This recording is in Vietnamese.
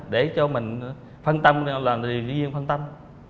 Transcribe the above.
để cho mình phân tâm làm điều trị viên phân tâm